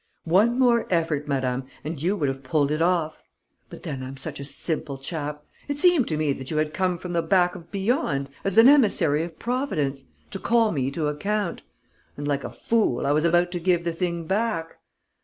One more effort, madam, and you would have pulled it off. But then I'm such a simple chap! It seemed to me that you had come from the back of beyond, as an emissary of Providence, to call me to account; and, like a fool, I was about to give the thing back....